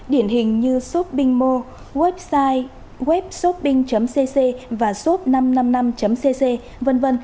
điển hình như shopping mall website webshopping cc và shop năm trăm năm mươi năm cc v v